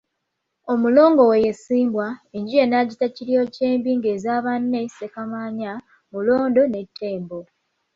Omulongo we ye Ssimbwa, enju ye n'agiyita Kiryokyembi ng'eza banne Ssekamaanya, Mulondo ne Ttembo.